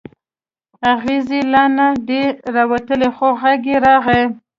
اغزی لا نه دی راوتلی خو غږ یې راغلی.